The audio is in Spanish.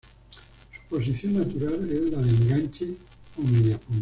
Su posición natural es la de enganche o mediapunta.